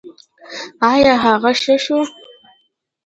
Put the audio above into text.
ایا هغه ښه شو؟